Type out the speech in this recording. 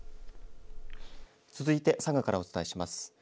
続いて佐賀からお伝えします。